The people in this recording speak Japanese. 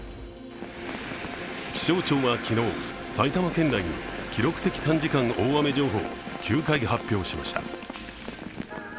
気象庁は昨日、埼玉県内に記録的短時間大雨情報を９回発表しました。